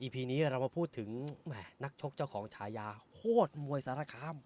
พีนี้เรามาพูดถึงนักชกเจ้าของชายาโหดมวยสารคาม